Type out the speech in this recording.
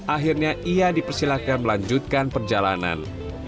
akhirnya ia dipersilakan melanjutkan perjalanan